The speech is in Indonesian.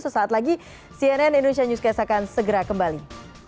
sesaat lagi cnn indonesia newscast akan segera kembali